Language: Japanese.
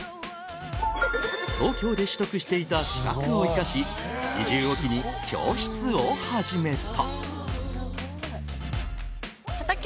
東京で取得していた資格を生かし移住を機に教室を始めた。